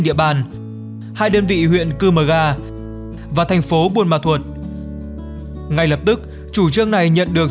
địa bàn hai đơn vị huyện cư mờ ga và thành phố buôn mà thuột ngay lập tức chủ trương này nhận được